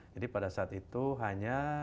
jadi pada saat itu hanya